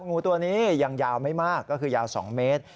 งูตัวนี้ยังยาวไม่มากก็คือยาว๒เมตร